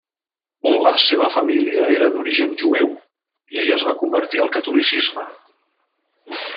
La seva família era d'origen jueu i ell es va convertir al catolicisme.